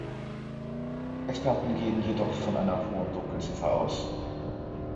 Experten gehen jedoch von einer hohen Dunkelziffer aus.